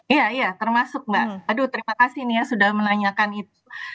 iya iya termasuk mbak aduh terima kasih nih ya sudah menanyakan itu